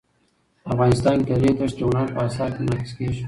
افغانستان کې د ریګ دښتې د هنر په اثار کې منعکس کېږي.